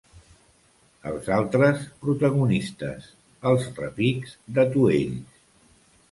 Els altres protagonistes: els repics d’atuells.